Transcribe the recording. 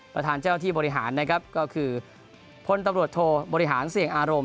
เจ้าที่บริหารนะครับก็คือพลตำรวจโทบริหารเสี่ยงอารมณ์